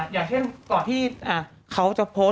อย่างเช่นก่อนที่เขาจะโพสต์